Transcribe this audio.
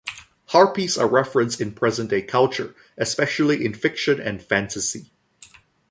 Harpies are referenced in present-day culture, especially in fiction and fantasy.